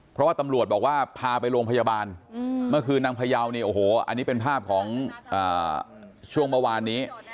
เพราะว่าตำรวจบอกว่าพาไปโรงพยาบาลเมื่อคืนนางพยาวเนี่ยโอ้โหอันนี้เป็นภาพของช่วงเมื่อวานนี้